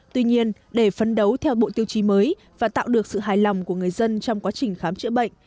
tuy nhiên để phấn đấu theo bộ tiêu chí mới và tạo được sự hài lòng của người dân trong quá trình khám chữa bệnh